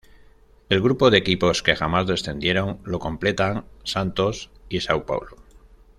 El grupo de equipos que jamás descendieron lo completan Santos y São Paulo.